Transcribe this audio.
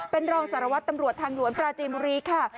เป็นรองสารวัตรตำรวจทางหลวงปราจีนบุรีค่ะ